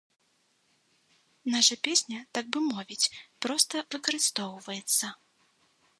Наша песня, так бы мовіць, проста выкарыстоўваецца.